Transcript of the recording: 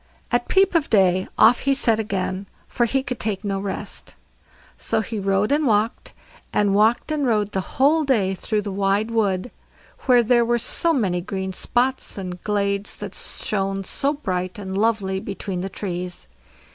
At peep of day off he set again, for he could take no rest. So he rode and walked and walked and rode the whole day through the wide wood, where there were so many green spots and glades that shone so bright and lovely between the trees.